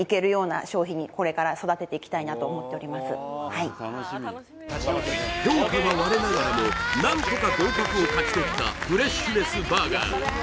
はい評価が割れながらも何とか合格を勝ち取ったフレッシュネスバーガー